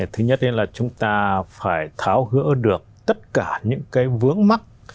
thứ nhất là chúng ta phải tháo gỡ được tất cả những cái vướng mắc